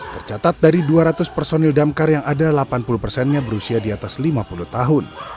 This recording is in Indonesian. tercatat dari dua ratus personil damkar yang ada delapan puluh persennya berusia di atas lima puluh tahun